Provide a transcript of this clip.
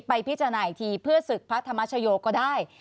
ไปพิจารณาอีกทีเพื่อศึกพระธรรมชโยก็ได้